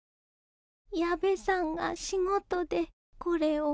矢部さんが仕事でこれを。